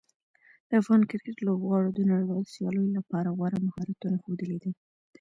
د افغان کرکټ لوبغاړو د نړیوالو سیالیو لپاره غوره مهارتونه ښودلي دي.